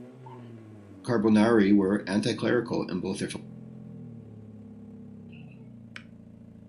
The Carbonari were anti-clerical in both their philosophy and programme.